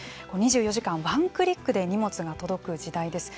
２４時間、ワンクリックで荷物が届く時代です。